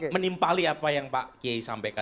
menimpali apa yang pak kiai sampaikan